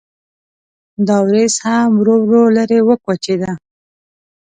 دا وریځ هم ورو ورو لرې وکوچېده.